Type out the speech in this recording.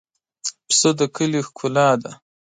پسه د کلي ښکلا ده.